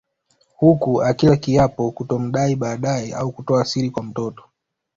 Huku akila kiapo kutomdai baadae au kutoa siri kwa mtoto